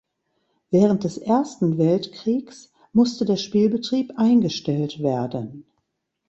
Während des Ersten Weltkriegs musste der Spielbetrieb eingestellt werden.